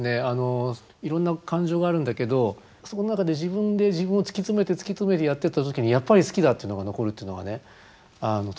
いろんな感情があるんだけどその中で自分で自分を突き詰めて突き詰めてやっていった時にやっぱり好きだっていうのが残るというのがねとってもいいなと思って。